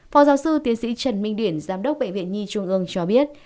phó giáo sư tiến sĩ trần minh điển giám đốc bệnh viện nhi trung ương cho biết